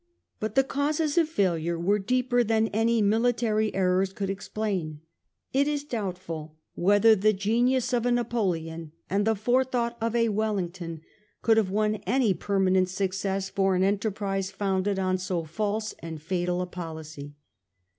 But the causes of failure were deeper than any military errors could explain. It is doubtful whether the genius of a Napoleon and the forethought of a W elling ton could have won any permanent success for an enter prise founded on so false and fatal a policy.